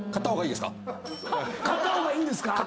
買った方がいいんですか？